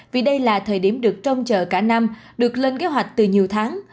vì đây là thời điểm được trông chờ cả năm được lên kế hoạch từ nhiều tháng